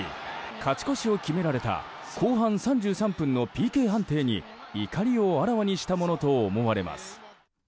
勝ち越しを決められた後半３３分のＰＫ判定に怒りをあらわにしたものと思われます。